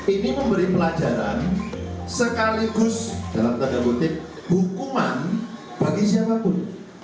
ini memberi pelajaran sekaligus dalam tanda kutip hukuman bagi siapapun